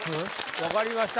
分かりました。